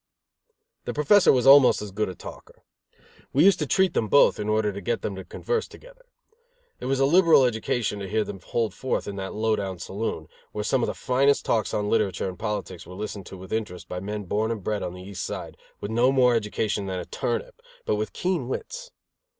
The Professor was almost as good a talker. We used to treat them both, in order to get them to converse together. It was a liberal education to hear them hold forth in that low down saloon, where some of the finest talks on literature and politics were listened to with interest by men born and bred on the East Side, with no more education than a turnip, but with keen wits.